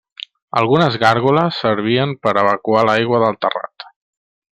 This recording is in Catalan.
Algunes gàrgoles servien per evacuar l’aigua del terrat.